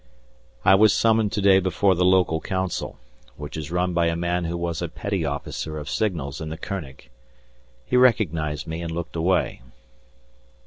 I was summoned to day before the Local Council, which is run by a man who was a Petty Officer of signals in the König. He recognized me and looked away.